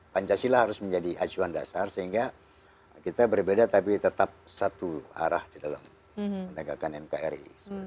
pancasila harus menjadi acuan dasar sehingga kita berbeda tapi tetap satu arah di dalam menegakkan nkri